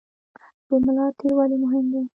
د ملا تیر ولې مهم دی؟